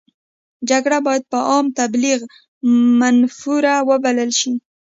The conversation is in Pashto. جګړه باید په عامه تبلیغ منفوره وبلل شي.